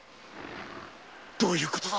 どういうことだ！